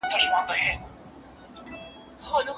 ایا استاد د مقالې مسوده سمه کړې ده؟